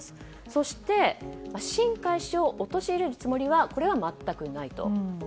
そして、新開氏を陥れるつもりは全くないと。